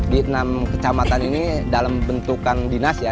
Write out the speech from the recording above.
di enam kecamatan ini dalam bentukan dinas ya